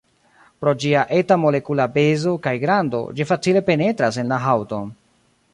Pro ĝia eta molekula pezo kaj grando, ĝi facile penetras en la haŭton.